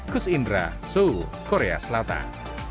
kus indra seoul korea selatan